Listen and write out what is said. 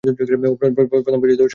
প্রথম বছরে সবাই এমন ভাবে।